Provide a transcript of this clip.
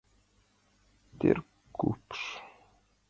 Теркупш!